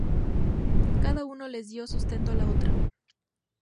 Cada uno le dio sustento a la otra.